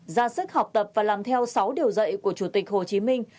ra sức học tập và làm theo sáu điều dạy của chủ tịch hồ chí minh